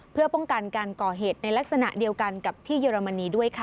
เพื่อป้องกันการก่อเหตุในลักษณะเดียวกันกับที่เยอรมนีด้วยค่ะ